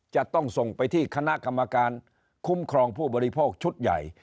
จะต้องส่งไปที่คณะกรรมการคุ้มครองผู้บริโภคชุดใหญ่